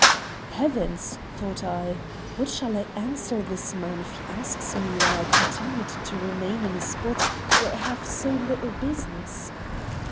"Heavens!" thought I. "What shall I answer this man if he asks me why I continued to remain in a spot where I have so little business."